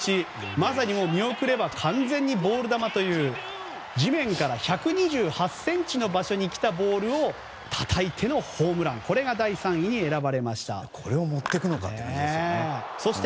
まさに見送れば完全にボール球という地面から１２８ｃｍの場所に来たボールをたたいてのホームランが第３位に選ばれました。